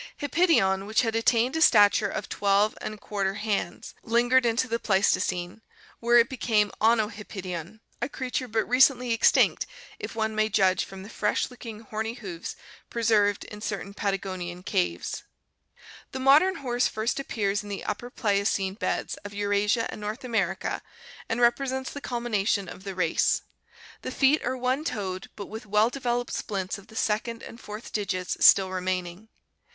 Hippidion, which had attained a stature oi 12% hands, lingered into the Pleistocene, where it became Ono hippidiorty a creature but recently extinct if one may judge from the fresh looking horny hoofs preserved in certain Patagonian caves. The modern horse first appears in the Upper Pliocene beds of Eurasia and North America and represents the culmination of the race. The feet are one toed, but with well developed splints of the second and fourth digits still re maining.